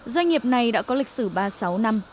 doanh nghiệp này đã có lịch sử ba mươi sáu năm